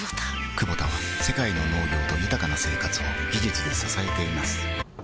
クボタは世界の農業と豊かな生活を技術で支えています起きて。